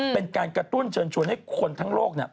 เป็นการกระตุ้นเชิญชวนให้คนทั้งโลก